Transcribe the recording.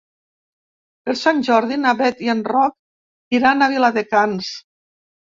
Per Sant Jordi na Bet i en Roc iran a Viladecans.